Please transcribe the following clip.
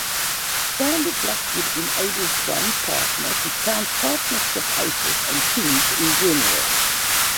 Standard Blackwood enables one partner to count partnership aces and kings in general.